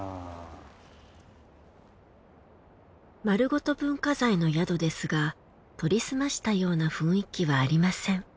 丸ごと文化財の宿ですが取りすましたような雰囲気はありません。